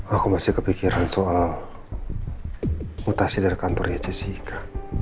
aku masih kepikiran soal mutasi dari kantornya jessica